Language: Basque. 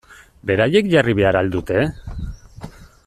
Beraiek jarri behar al dute?